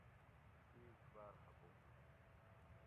اِیڄ باۤر خفہ ہو